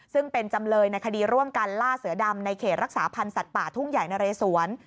ซึ่งเป็นจำเลยในคดีร่วมกันล่าเสือดำในเขตรักษาพันธ์สัตว์ป่าทุ่งใหญ่นะเรสวน